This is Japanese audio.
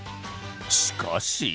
しかし。